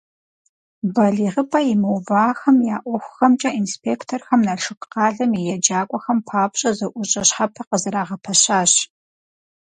БалигъыпӀэ имыувахэм я ӀуэхухэмкӀэ инспекторхэм Налшык къалэм и еджакӀуэхэм папщӀэ зэӀущӀэ щхьэпэ къызэрагъэпэщащ.